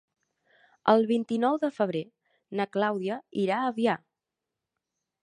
El vint-i-nou de febrer na Clàudia irà a Avià.